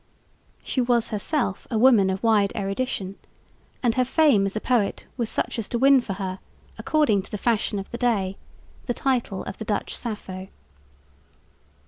She was herself a woman of wide erudition, and her fame as a poet was such as to win for her, according to the fashion of the day, the title of "the Dutch Sappho."